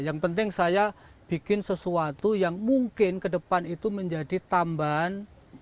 yang penting saya bikin sesuatu yang mungkin ke depan itu menjadi tambahan